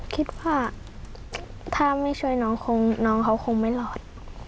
คิดว่าถ้าไม่ช่วยน้องคงน้องเขาคงไม่รอด